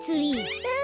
うん！